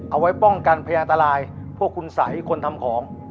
เอาไว้ป้องกันพยานตรายพวกคุณสัยคนทำของ